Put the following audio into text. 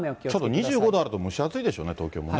２５度あると蒸し暑いでしょうね、東京もね。